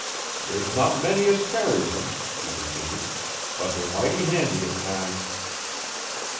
"There's not many as carries 'em," he continued, "but they're mighty handy at times."